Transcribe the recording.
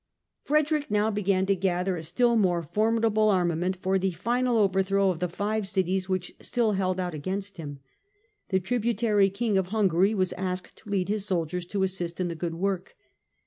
Frederick now began to gather a still more formidable armament for the final overthrow of the five cities which still held out against him. The tributary King of Hungary was asked to lead his soldiers to assist in the good work.